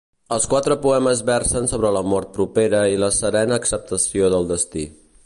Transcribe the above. Els quatre poemes versen sobre la mort propera i la serena acceptació del destí.